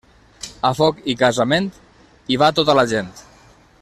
A foc i casament, hi va tota la gent.